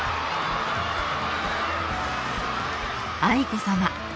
［愛子さま。